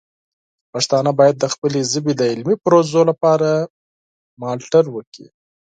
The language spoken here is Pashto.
پښتانه باید د خپلې ژبې د علمي پروژو لپاره مالتړ وکړي.